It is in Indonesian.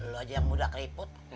dulu aja yang muda keriput